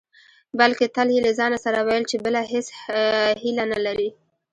بلکې تل يې له ځانه سره ويل چې بله هېڅ هيله نه لري.